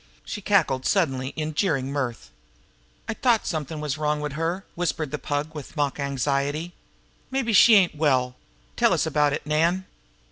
She cackled suddenly in jeering mirth. "I t'ought something was wrong wid her!" whispered the Pug with mock anxiety. "Mabbe she ain't well! Tell us about it, Nan!"